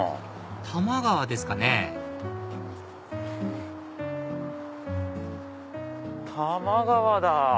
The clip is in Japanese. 多摩川ですかね多摩川だ！